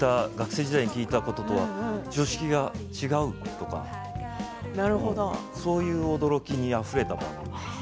僕、ガキのころ聞いたこととは常識が違うとかそういう驚きにあふれた番組です。